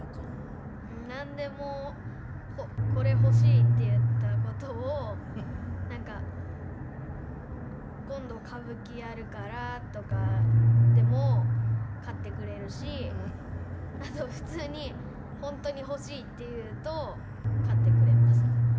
なんでも「これ欲しい」って言った事をなんか「今度歌舞伎やるから」とかでも買ってくれるしあと普通に「本当に欲しい」って言うと買ってくれます。